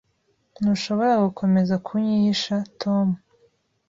Ntushobora gukomeza kunyihisha, Tom.